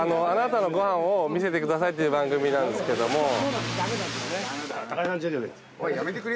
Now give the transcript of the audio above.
あなたのご飯を見せてくださいっていう番組なんですけども。